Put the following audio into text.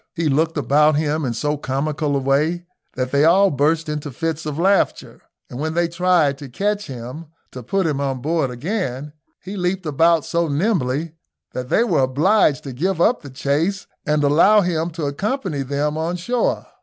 He looked about him in so comical a way that they all burst into fits of laughter, and when they tried to catch him to put him on board again, he leaped about so nimbly, that they were obliged to give up the chase and allow him to accompany them on shore.